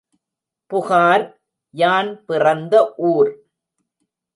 புகார், யான் பிறந்த ஊர்.